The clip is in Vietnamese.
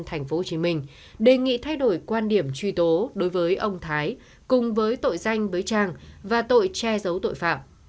tp hcm đề nghị thay đổi quan điểm truy tố đối với ông thái cùng với tội danh với trang và tội che giấu tội phạm